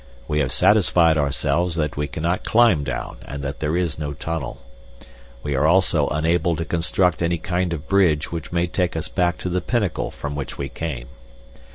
We have satisfied ourselves that we cannot climb down and that there is no tunnel. We are also unable to construct any kind of bridge which may take us back to the pinnacle from which we came.